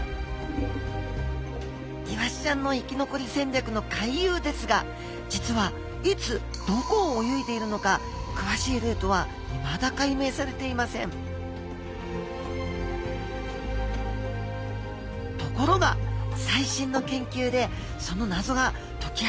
イワシちゃんの生き残り戦略の回遊ですが実はいつどこを泳いでいるのかくわしいルートはいまだ解明されていませんところが最新の研究でその謎が解き明かされようとしています